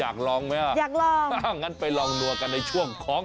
อันนี้ครับมาลองนัว